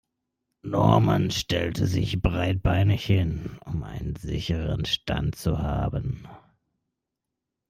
Norman stellte sich breitbeinig hin, um einen sicheren Stand zu haben.